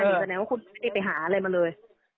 นี่แสดงว่าคุณไม่ได้ไปหาอะไรมาเลย